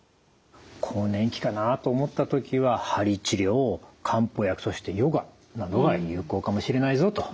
更年期かなと思った時ははり治療漢方薬そしてヨガなどが有効かもしれないぞというお話でした。